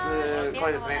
これですね。